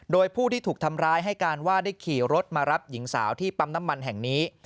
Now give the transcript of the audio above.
โดยผู้ที่ถูกทำร้ายให้การว่าได้ขี่รถมารับหญิงสาวที่ปั๊มน้ำมันแห่งนี้